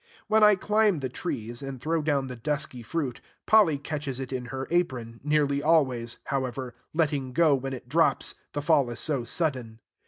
When I climb the trees, and throw down the dusky fruit, Polly catches it in her apron; nearly always, however, letting go when it drops, the fall is so sudden.